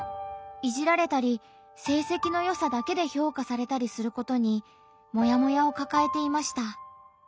いじられたり成績のよさだけで評価されたりすることにモヤモヤをかかえていました。